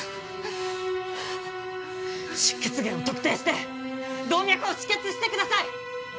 出血源を特定して動脈を止血してください！